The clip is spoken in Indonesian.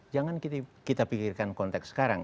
jangan kita pikirkan konteks sekarang